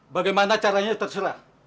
bagaimana caranya terserah